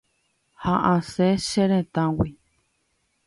Ha asẽ che retãgui.